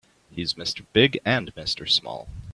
He's Mr. Big and Mr. Small.